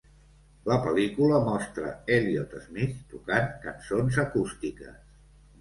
La pel·lícula mostra Elliott Smith tocant cançons acústiques.